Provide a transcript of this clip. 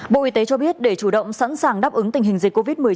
bộ y tế cho biết để chủ động sẵn sàng đáp ứng tình hình dịch covid một mươi chín